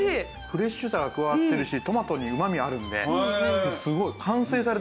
フレッシュさが加わってるしトマトにうまみあるんですごい完成されてます